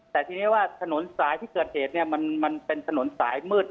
แต่ทีนี้ว่าถนนสายที่เกิดเหตุเนี่ยมันเป็นถนนสายมืด